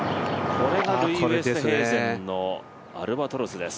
これがルイ・ウェストヘーゼンのアルバトロスです。